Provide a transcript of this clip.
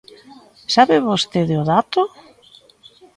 ¿Sabe vostede o dato?